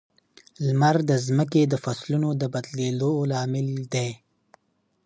لمر د ځمکې د فصلونو د بدلېدو لامل دی.